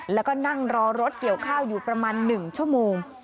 แล้วก็นั่งรอรถเกี่ยวข้าวอยู่ประมาณ๑ชั่วโมง